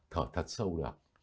thở thật sâu được